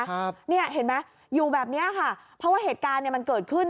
ครับเนี่ยเห็นไหมอยู่แบบเนี้ยค่ะเพราะว่าเหตุการณ์เนี้ยมันเกิดขึ้น